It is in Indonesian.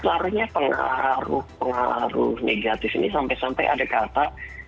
sebenarnya pengaruh pengaruh negatif ini sampai sampai ada kata